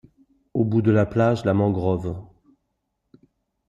Au bout de la plage, la mangrove.